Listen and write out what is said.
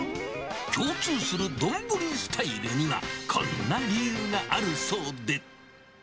共通する丼スタイルには、こんな理由があるそうで。